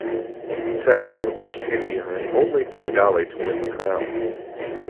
Sen was the first Indian and only Bengali to win the crown.